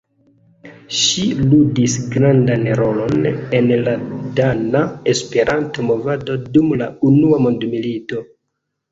Ŝi ludis grandan rolon en la dana Esperanto-movado dum la unua mondmilito.